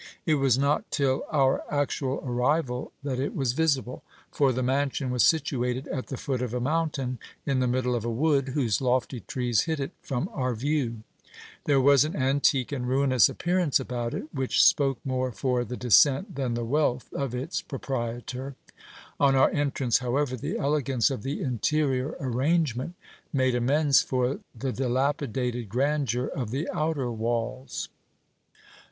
It was not till our actual arrival that it was visible ; for the mansion was situated at the foot of a mountain, in the middle of a wood, whose lofty trees hid it from our view. There was an antique and ruinous appearance about it, which spoke more for the descent than the wealth of its proprietor. On our entrance, however, the elegance of the interior arrangement made amends for the dilapi dated grandeur of the outer walls.